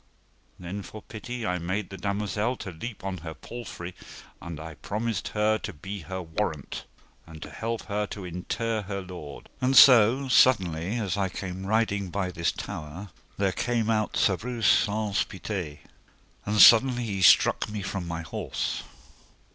Then for pity I made the damosel to leap on her palfrey, and I promised her to be her warrant, and to help her to inter her lord. And so, suddenly, as I came riding by this tower, there came out Sir Breuse Saunce Pité, and suddenly he struck me from my horse.